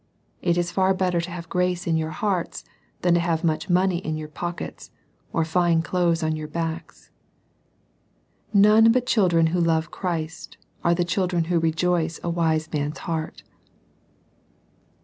It is far better to have grace in your hearts, than to have much money in your pockets, or fine clothes on your backs. None but children who love Christ are the children who rejoice a wise man's heart.